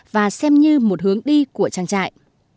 và xem như một hướng đi của trang trại